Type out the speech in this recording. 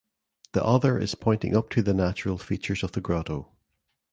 The other is pointing up to the natural features of the grotto.